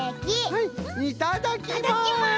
はいいただきます。